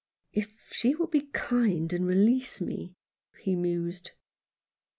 " If she will be kind and release me," he mused.